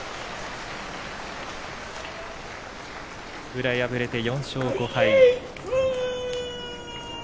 宇良敗れて４勝５敗。